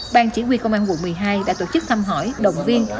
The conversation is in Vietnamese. bang chỉ huy công an quận một mươi hai đã tổ chức thăm hỏi đồng viên